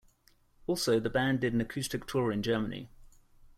Also, the band did an acoustic tour in Germany.